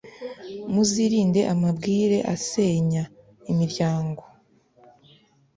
Muzirinde amabwire asenya imiryangooo